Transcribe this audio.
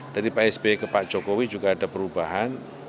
dari pak sby ke pak jokowi juga ada perubahan